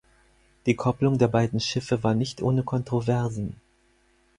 Die Kopplung der beiden Schiffe war nicht ohne Kontroversen.